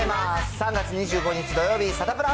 ３月２５日土曜日、サタプラ。